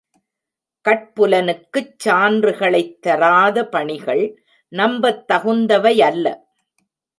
கட்புலனுக்குச் சான்றுகளைத் தராத பணிகள் நம்பத் தகுந்தவையல்ல.